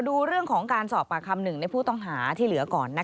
ดูเรื่องของการสอบปากคำหนึ่งในผู้ต้องหาที่เหลือก่อน